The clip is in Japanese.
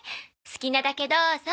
好きなだけどうぞ。